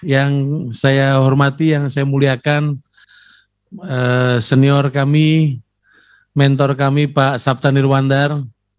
yang saya hormati yang saya muliakan senior kami mentor kami pak sabta nirwandar